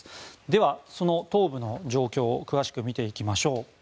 では、東部の状況を詳しく見ていきましょう。